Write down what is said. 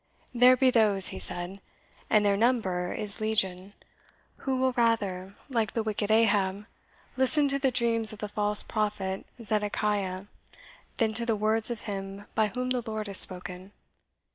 'There be those,' he said, 'and their number is legion, who will rather, like the wicked Ahab, listen to the dreams of the false prophet Zedekiah, than to the words of him by whom the Lord has spoken.'